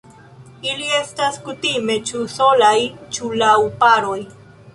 Ili estas kutime ĉu solaj ĉu laŭ paroj.